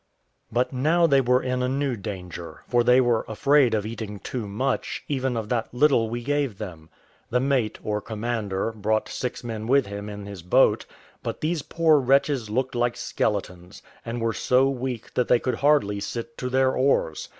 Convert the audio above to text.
But now they were in a new danger; for they were afraid of eating too much, even of that little we gave them. The mate, or commander, brought six men with him in his boat; but these poor wretches looked like skeletons, and were so weak that they could hardly sit to their oars.